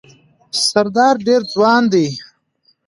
سردار ډېر ځوان دی.